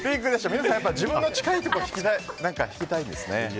皆さん自分の近いところ引きたいんですね。